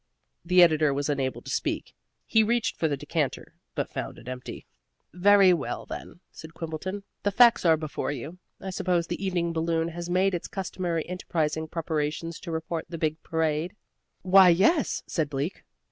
The editor was unable to speak. He reached for the decanter, but found it empty. "Very well then," said Quimbleton. "The facts are before you. I suppose The Evening Balloon has made its customary enterprising preparations to report the big parade?" "Why, yes," said Bleak.